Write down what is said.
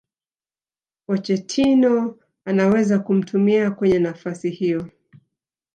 Pochettino anaweza kumtumia kwenye nafasi hiyo